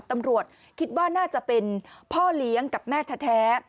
ตำรวจคิดว่าน่าจะเป็นพ่อเลี้ยงกับแม่แท้